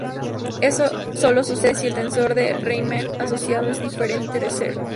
Eso sólo sucede si el tensor de Riemann asociado es diferente de cero.